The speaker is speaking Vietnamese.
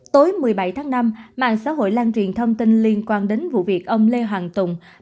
tối một mươi bảy tháng năm mạng xã hội lan truyền thông tin liên quan đến vụ việc ông lê hoàng tùng